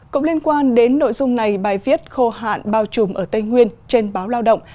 cũng liên quan đến nội dung này bài viết khô hạn bao trùm ở tây nguyên trên báo lao động